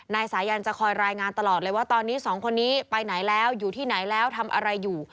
นายสายันจะคอยรายงานตลอดเลยว่าตอนนี้สองคนนี้ไปไหนแล้วอยู่ที่ไหนแล้วทำอะไรอยู่